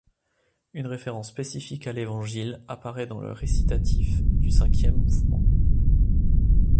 Une référence spécifique à l'Évangile apparaît dans le récitatif du cinquième mouvement.